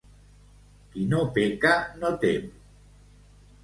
Qui no peca, no tem.